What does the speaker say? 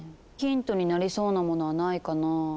ヒントになりそうなものはないかな。